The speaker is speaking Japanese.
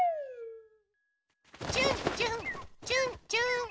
ちゅんちゅんちゅんちゅん。